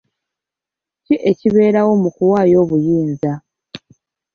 Ki ekibeerawo mu kuwaayo obuyinza?